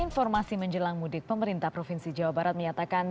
informasi menjelang mudik pemerintah provinsi jawa barat menyatakan